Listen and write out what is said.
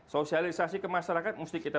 sosialisasi kemasyarakat mesti kita